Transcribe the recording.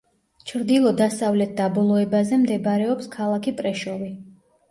ჩრდილო-დასავლეთ დაბოლოებაზე მდებარეობს ქალაქი პრეშოვი.